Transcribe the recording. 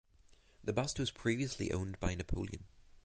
The bust was previously owned by Napoleon.